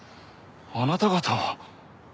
あなた方は。